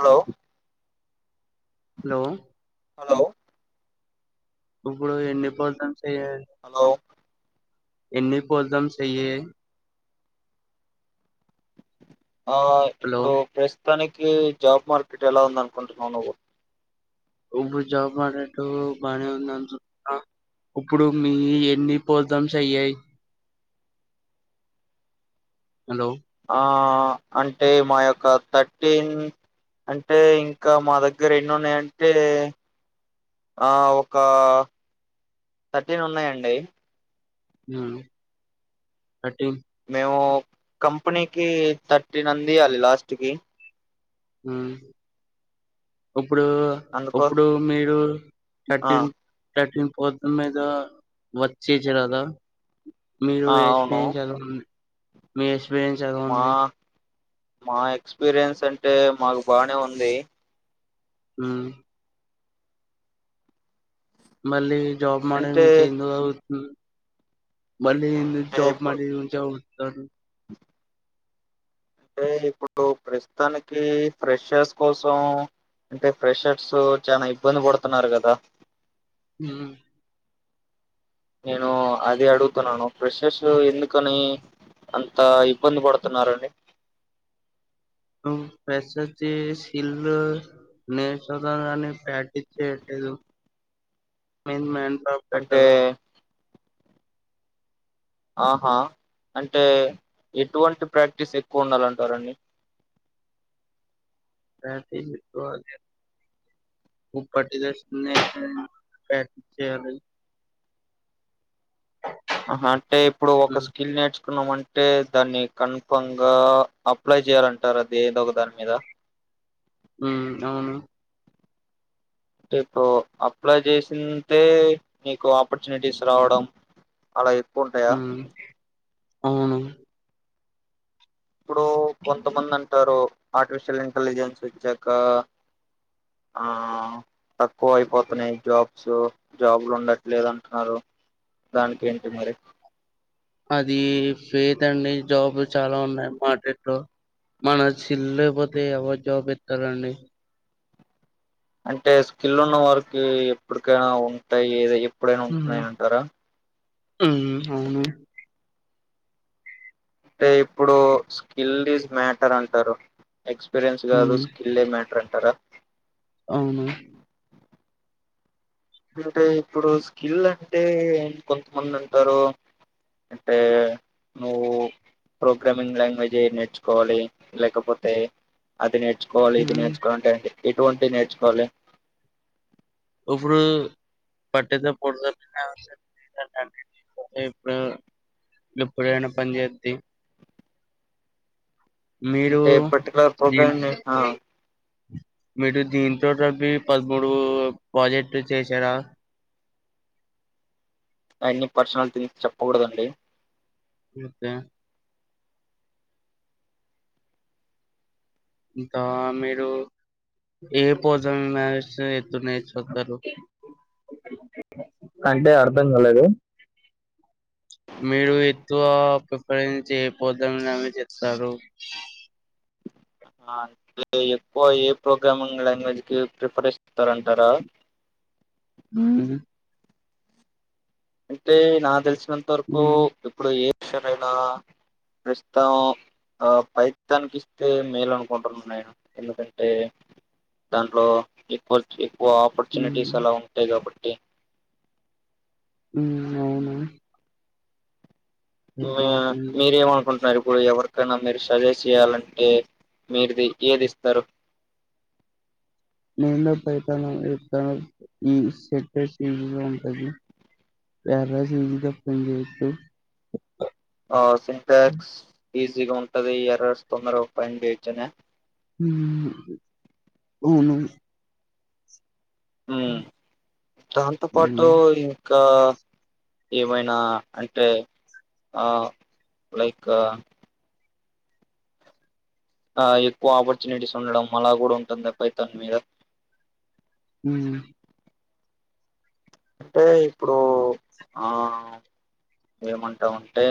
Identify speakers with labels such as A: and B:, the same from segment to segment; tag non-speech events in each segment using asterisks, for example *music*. A: Hello
B: hello
A: hello
B: ఇప్పుడు ఎన్ని పోతన్ ఏ
A: హలో
B: ఎన్ని పోల్దాం చెయ్యే
A: ఆ
B: హలో
A: ఇప్పుడు ప్రస్ మొత్తానికి జాబ్ మార్కెటెలా ఉందనుకుంటున్నావు నువ్వు
B: ఉప్పుడు జాబ్ మాడేట్టు బానే ఉంద *inaudible* ఉప్పుడు మీ ఎన్ని పోల్దాం చెయ్యాయి? హలో
A: ఆ అంటే మా యొక్క థర్టీన్ అంటే ఇంకా మా దగ్గర ఎన్నున్నాయంటే ఆ ఒక థర్టీన్ ఉన్నాయండి.
B: ఉమ్ కటింగ్
A: మేము కంపెనీకి థర్టీన్ అందియాలి లాస్ట్ కి
B: హమ్ ఇప్పుడు
A: అందుకో
B: ఇప్పుడు మీరు
A: ఆ
B: థర్టీన్ థర్టీన్ ఓద్ మీద వచ్చే చ రాద మీరు
A: ఆ అవును
B: ఎక్స్పయిస్ ఎలా ఉంది మేష్ ఎక్స్పీరియన్స్ ఎలా
A: మా
B: ఉంది
A: మా ఎక్స్పీరియన్స్ అంటే మాకు బానే ఉంది
B: ఉమ్ మళ్ళీ జాబ్ మారే
A: అంటే
B: చెయింద హ మళ్ళీ అందుకు
A: అంటే
B: జాబ్
A: ఇప్పుడు
B: మినే ఉంచావ్ స
A: అంటే ఇప్పుడు ప్రస్తుతానికి ఫ్రెషర్స్ కోసం అంటే ఫ్రెషర్స్ చాలా ఇబ్బంది పడుతున్నారు కదా
B: హమ్
A: నేను అదే అడుగుతున్నాను ప్రెషర్స్ ఎందుకని అంత ఇబ్బంది పడుతున్నరు అండి
B: ఫ్రెషర్స్ సిల్ నేర్చతా కాని ప్యాటిచ్చలేదు మ పెట్ట
A: అంటే ఆహా అంటే ఎటువంటి ప్రాక్టీస్ ఎక్కువ ఉండాలంటారుండి
B: ప్రటీ ఉప్పటి దశ ప్రటీ చేయాలి
A: ఆహా అంటే ఇప్పుడు ఒక
B: ఉమ్,
A: స్కిల్ నేర్చు కున్నాం అంటే దాన్ని కన్ఫమ్ గా అప్లై చేయాలంటారు అది ఏదో ఒక దాని మీద
B: ఉ అవును
A: ఇప్పుడు అప్లై చేసింటే నీకు ఆపర్చునిటీస్ రావడం అలా ఎక్కువ ఉంటాయా
B: ఆ అవును
A: ఇప్పుడు కొంతమంది అంటారు ఆర్టిఫిషియల్ ఇంటెలిజెన్స్ వచ్చాక ఆ తక్కువ అయిపోతున్నాయి జాబ్స్ జాబ్లు ఉండట్లేదు అంటున్నారు దానికి ఏంటి మరి
B: అది ఫేత్ అండి జాబ్ చాలా ఉన్నాయి మార్కెట్ లో మన స్కిల్ ల్ లేకపోతే ఎవరు జాబ్ ఎస్తారుండి
A: అంటే స్కిల్ ఉన్న వారికి ఎప్పుటికైనా ఉంటాయి ఏద ఎప్పుడైనా
B: ఉమ్,
A: ఉంటున్నాయి అంటారా
B: ఉమ్ అవును
A: అంటే ఇప్పుడు స్కిల్ ఈజ్ మ్యాటర్ అంటారు ఎక్స్పీరియన్స్ కాదు
B: ఉమ్,
A: స్కిల్ే మ్యాటర్ం టారా
B: అవును
A: అంటే ఇప్పుడు స్కిల్ అంటే కొంతమంది అంటారు అంటే నువ్వు ప్రోగ్రామింగ్ లాంగ్వేజ్ ఎ నేర్చుకోవాలి లేకపోతే అది నేచ కోవలీ ఇది
B: ఉమ్,
A: నేర్చుకో అంటే ఏంటి ఎటువంటి నేర్చుకోవాలి
B: ఇప్పుడు పట్టితో పొడుతు ఇప్పుడు ప్పుడైన పని చేేద్ది
A: అంటే పర్టికులర్ ప్రోగ్రామ్ని
B: మీరు దీనిట్ పదమూడు ప్రాజెక్ట్ చేసారా
A: అన్ని పర్సనల్ థింగ్ చెప్పకూడదండి
B: అత్తే అంత మరు ఏ పోజ మ ఎతు న స
A: కంటే ఆడ ఇాలదు
B: మీరు ఎక్కువ ప్రఫరించిపోద్దామని అ చెస్తారు
A: అంటే ఎక్కువ ఏ ప్రోగ్రామింగ్ లాంగ్వేజ్ కి ప్రిఫర్ ఇస్తారంటారా
B: హ
A: అంటే నా తెలిసి నంత వరకు
B: మ్మ్.
A: ఇప్పుడు ఏ ఎవరైనా ప్రస్తుతం ఆ పైది తనికి ఇస్తే మేలు అనుకుంటున్నా నేను ఎందుకంటే దాంట్లో ఎక్కువ ఓ
B: మ్మ్.
A: ఆపర్చునిటీస్ అలా ఉంటాయి కాబట్టి టే
B: హ్మ్ అవును
A: అ
B: ఎక్కువ పోజం.
A: మీరేమనుకుంటున్నారు ఇప్పుడు ఎవరికైనా మీరు సజెస్ట్ చేయాలంటే మీరుది ఏది ఇస్తారు
B: *unintelligible*
A: ఆ సిన్టెక్స్ ఈజీగా ఉంటది ఎర్రర్స్ తొందరగా ఓపెన్ చేయోచ్చనా
B: హ్మ్ అవును
A: హ్మ్ దాంతో పాటు
B: మ్మ్.
A: ఈ ఇంకా ఏమైనా అంటే ఆ లైక్ ఆ ఎక్కువ ఆపర్చునిటీస్ ఉండడం అలా కూడా ఉంటుంది తన మీద
B: హ్మ్
A: అంటే ఇప్పుడు ఆ ఏమంటాం అంటే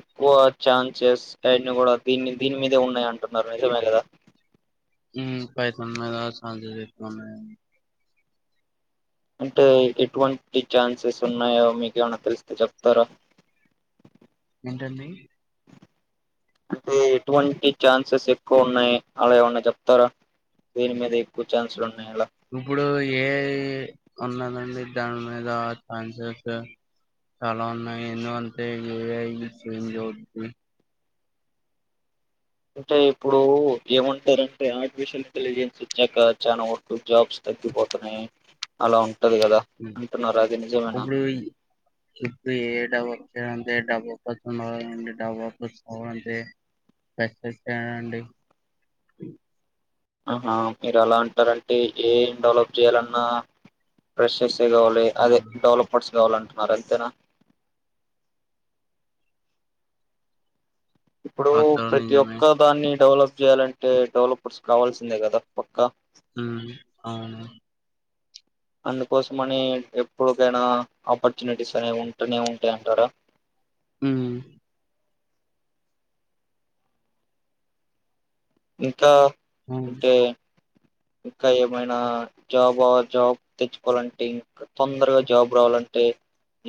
A: ఎక్కువ ఛాన్సెస్ అవన్నీ కూడా దీన్ని దీని మీదే ఉన్నాయి అంటున్నారు నిజమే కదా
B: *unintelligible*
A: అంటే ఎటువంటి ఛాన్సెస్ ఉన్నాయో మీకు ఏమైనా తెలిస్తే చెప్తారా
B: ఏంటండి
A: అంటే ఎటువంటి ఛాన్సెస్ ఎక్కువ ఉన్నాయి అలా ఏమన్నా చెప్తారా దీని మీద ఎక్కువ ఛాన్సలు ఉన్నాయి అలా
B: ఇప్పుడు ఏఐ ఉన్నదండి దాని మీద ఛాన్సెస్ చాలా ఉన్నాయి ఎందుంటే ఏఐ చేంజ్ అవుది
A: అంటే ఇప్పుడు ఏమంటారు అంటే ఆర్టిఫిషియల్ ఇంటెలిజెన్స్ ఇచ్చాక చాలనా వటు జాబ్స్ తగ్గిపోతున్నాయి అలా ఉ
B: ఇప్పుడు ఇప్పుడు ఏట వచ్చ డబ్బ ఒక్కన్నండి డబ్బ ఒ అండి
A: ఆ మీరు అలా అంటారంటే ఏం డెవలప్ చేయ్యాలన్నా ప్రశస్ కావాలి అదే
B: హ్మ్.
A: డెవలపర్స్ కావాలంటే మరి అంతేనా ఇప్పుడు
B: అతో
A: ప్రతి
B: నిజమే.
A: ఒక్క దాన్ని డెవలప్ చేయాలంటే డెవలపర్స్ కావాల్సిందే కదా పక్కా
B: ఉ అవును
A: అందుకోసమని ఎప్పటికైనా ఆపర్చునిటీస్ అనేవి ఉంటూనే ఉంటాయి అంటారా
B: ఉ
A: ఇంకా
B: అవును.
A: అంటే ఇంకా ఏమైనా జాబ్ జాబ్ తెచ్చుకోవాలంటే ఇంకా తొందరగా జాబ్ రావాలంటే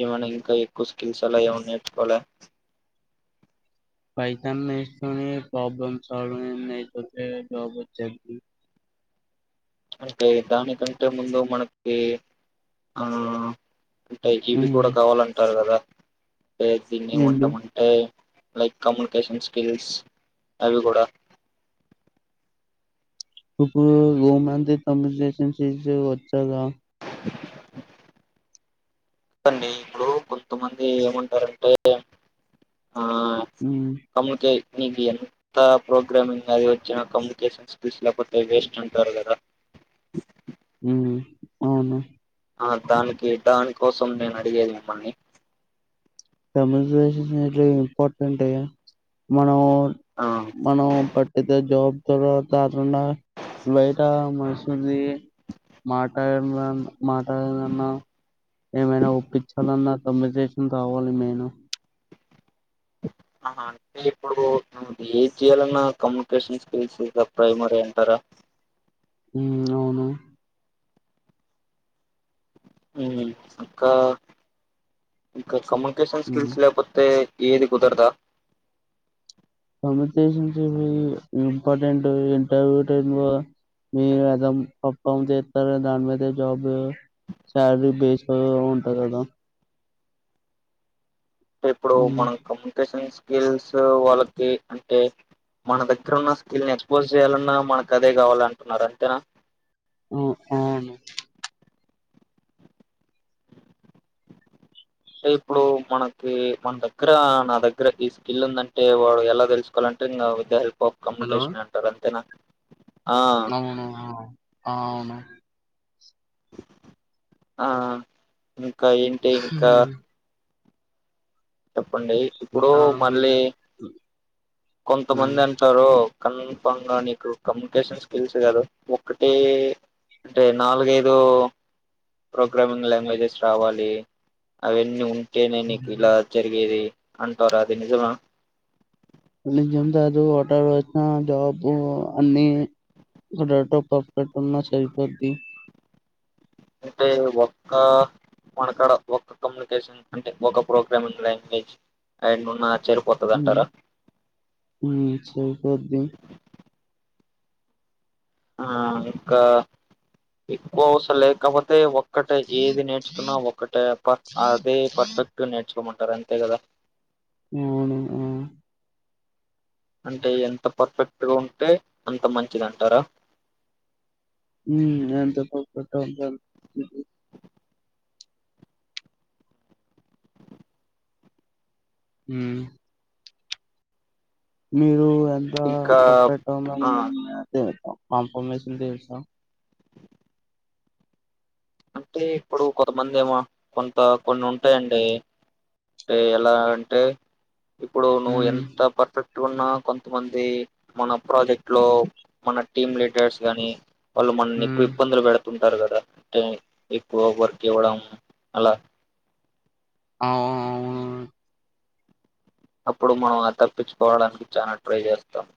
A: ఏమైనా ఇంకా ఎక్కువ స్కిల్స్ అలా ఏమైనా నేర్చుకోవాలి.
B: పైథాన్ నస్తుని ప్రబ్ స జ
A: అంటే దానికంటే ముందు మనకి ఆ ఫై జీబీ కూడా
B: హ్మ్.
A: కావాలంటారు కదా దీన్ని
B: ఏంటి?
A: ఎమంటామంటే లైక్ కమ్యూనికేషన్ స్కిల్స్ అవి కూడా
B: ఇ గోమాంత తసన్ వచ్చ
A: *unintelligible* అదండి ఇప్పుడు కొంతమంది ఏమంటారంటే ఆ
B: ఉమ్
A: కమ్యూకేట్ నీకు ఎంత ప్రోగ్రామింగ్ అది వచ్చిన కమ్యూనికేషన్ స్కిల్స్ లేకపోతే వేస్ట్ అంటారు కదా
B: ఉమ్ అవును
A: ఆ దానికి దానికోసం నేను అడిగేది మిమ్మల్ని
B: స ఇంపార్టెంట్ మనం
A: ఆ
B: మనం పట్టితే జాబ్ తర్వాత తాకుండా బయట మనిసింది మాట్లాడ మాట్లాడాలన్నా ఏమైనా ఒప్పించాలన్నా తమ్ చేసిన త ఫోన్ మేను
A: ఆ అంటే ఇప్పుడు ఏం చేయాలన్నా కమ్యూనికేషన్ స్కిల్స్ ప్రైమరీ అంటారా
B: ఉమ్ అవును
A: ఉమ్ ఇంకా కమ కమ్యూనికేషన్
B: ఉమ్
A: స్కిల్స్ లేకపోతే ఏది కుదరదా
B: communication skills important interview time లో మీరు ఎలా పార్ ఫామ్ చేస్తారు దాని మీద జాబ్ శాలరీ బేస్డ్ ఉంటుంది కదా
A: ఇప్పుడు
B: ఉమ్,
A: మనం కమ్యూనికేషన్ స్కిల్స్ వాళ్ళకి అంటే మన దగ్గర ఉన్న స్కిల్ ఎక్స్పోజ్ చేయాలన్నా మనకు అదే కావాలిఅంటున్నారు అంతేనా
B: ఆమ్
A: అంటే ఇప్పుడు మనకి మన దగ్గర నా దగ్గర ఈ స్కిల్ ఉందంటే వాడు ఎలా తెలుసుకోవాలంటే ఇంకా విత్ దా హెల్ప్ ఒక్
B: హలో
A: కమ్యూనికేషన్ అంటారు అంతే
B: అవును అ అవును
A: ఆ ఇంకా ఏంటి ఇంకా
B: ఉమ్,
A: పండి. ఇప్పుడు
B: ఇంకా
A: మళ్ళీ
B: మీరు ఉమ్,
A: కొంతమంది అంటారు. కన్ఫాంగా నీకు కమ్యూనికేషన్ స్కిల్స్ కాదు. ఒకటీ అంటే నాలుగైదు ప్రోగ్రామింగ్ లాంగ్వేజెస్ రావాలి. అవన్నీ ఉం టేనే నిక్ ఇలా ఇది అంటారు. అది నిజమా
B: నిజం కాదు. *unintelligible* జాబ్ అన్ని డెరెక్టెట్ *unintelligible* పాస్పోర్ట్ ఉన్న సరిపోద్ది.
A: అంటే ఒక్క మనకాడ ఒక్క కమ్యూనికేషన్ అంటే. ఒక ప్రోగ్రామింగ్ లాంగ్వేజ్ అండ్ ఉన్న. సరిపోతది
B: ఉమ్
A: అంటారా
B: ఉహ్మ్ సరిపోద్ది
A: ఆ ఇంకా ఎక్కువ అవస్ లేకపోతే ఒక్కటే ఏది నేర్చుకున్నా. ఒకటే పర్ అదే పర్ఫెక్ట్ నేర్చుకోమంట్ టార్ అంతేకదా
B: అవును ఆ
A: అంటే ఎంత పర్ఫెక్ట్గా ఉంటే. అంత మంచిది అంటారా.
B: ఉమ్ ఎంత పర్ఫెక్ట్ ఉంటే అంత మం హ్మ్ మీరు ఎంతా
A: ఇంకా
B: పర్ఫెక్ట్ గా ఉన్న
A: ఆ
B: *unintelligible* కన్ఫర్మమేషన్ తెల్స
A: అంటే ఇప్పుడు కొంతమంది ఏమో. కొంత కొన్ని ఉంటాయండి. అంటే ఎలా అంటే ఇప్పుడు నువ్వు
B: ఉమ్
A: ఎంత పర్ఫెక్ట్ టున్న కొంతమంది. మన ప్రాజెక్ట్ లో మన టీమ్ లీడర్స్ గాని వాళ్ళు మనల్ని ఎక్కువ
B: ఉమ్,
A: ఇబ్బందులు పెడుతుం టారు కదా అంటే ఎక్కువ వర్క్ ఇవ్వడం. అలా
B: ఆహ్ ఆ అవునవ్
A: అప్పుడు మనం ఆద్ తప్పించుకోవడానికి చానా ట్రై చేస్తాం.